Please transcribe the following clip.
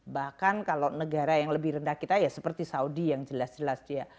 bahkan kalau negara yang lebih rendah kita ya seperti saudi yang jelas jelas dia